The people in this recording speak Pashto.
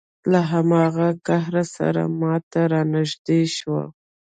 له هماغه قهره سره ما ته را نږدې شو.